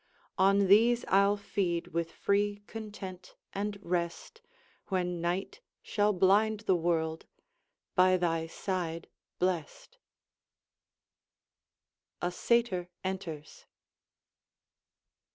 On these I'll feed with free content and rest, When night shall blind the world, by thy side blessed [A Satyr enters.